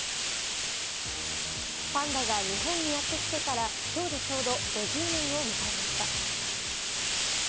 パンダが日本にやってきてから今日でちょうど５０年を迎えました。